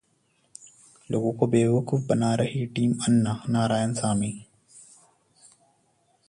लोगों को बेवकूफ बना रही है टीम अन्ना: नारायणसामी